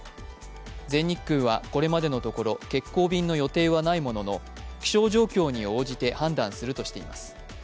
全日空はこれまでのところ欠航便の予定はないものの気象状況に応じて判断するとしています。